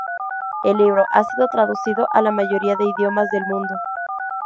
El libro ha sido traducido a la mayoría de idiomas del mundo.